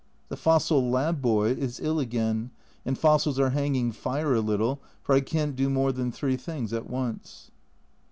The fossil lab. boy is ill again, and fossils are hanging fire a little, for I can't do more than three things at once.